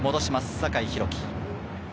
酒井宏樹。